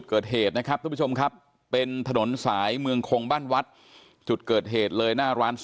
เขาไม่ได้อยู่ถ่ายภาพในหลักฐาน